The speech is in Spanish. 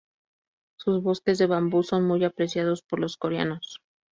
Sus bosques de bambú son muy apreciados por los coreanos.